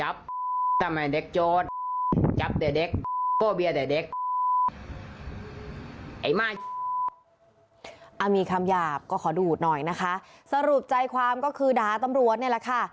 เอามีคำหยาบก็ขอดูดหน่อยนะคะสรุปใจความก็คือด่าตำรวจนี่แหละค่ะ